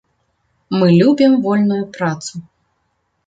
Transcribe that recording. Мы любім вольную працу.